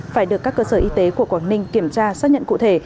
phải được các cơ sở y tế của quảng ninh kiểm tra xác nhận cụ thể